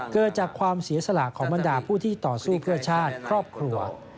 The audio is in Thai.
เกิดจากความเสียสละของบรรดาผู้ที่ต่อสู้เพื่อชาติครอบครัว